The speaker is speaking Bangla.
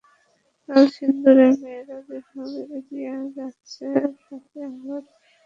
কলসিন্দুরের মেয়েরা যেভাবে এগিয়ে যাচ্ছে, তাতে আলোর মিছিল অনেক দিন খুঁজে ফিরবে তাদের।